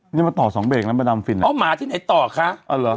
นี่มาต่อสองเบรกนั้นประจำฟินอ๋อมาที่ไหนต่อคะอ้าวเหรอ